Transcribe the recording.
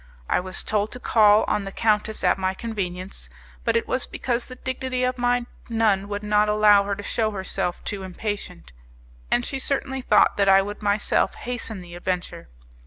I was told to call on the countess at my convenience, but it was because the dignity of my nun would not allow her to shew herself too impatient; and she certainly thought that I would myself hasten the adventure.